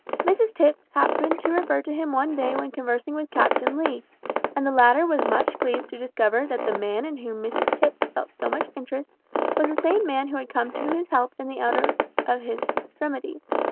Mrs Tipps happened to refer to him one day when conversing with Captain Lee, and the latter was much pleased to discover that the man in whom Mrs Tipps felt so much interest, was the same man who had come to his help in the hour of his extremity.